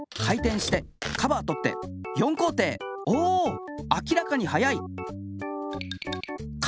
お明らかに早い！